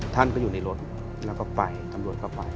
ท่านก็อยู่ในรถแล้วก็ไปตำรวจก็ไป